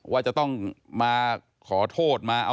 ว่าจะต้องมาขอโทษ